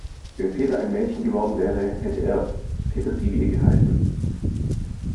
Wenn Peter ein Mädchen geworden wäre, hätte er Petersilie geheißen.